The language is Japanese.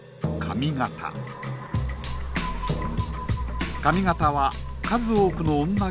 上方は数多くの女